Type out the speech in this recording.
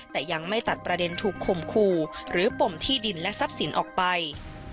แต่ยังไม่ตัดประเด็นถูกคมคู่หรือปมที่ดินและทรัพย์สินออกไป